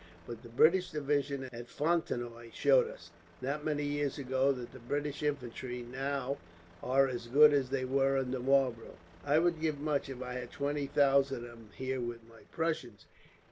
But the British division at Fontenoy showed us, not many years ago, that the British infantry, now, are as good as they were under Marlborough. I would give much if I had twenty thousand of them here with my Prussians.